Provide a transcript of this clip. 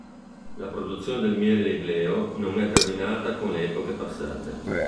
La produzione del miele ibleo non è terminata con le epoche passate.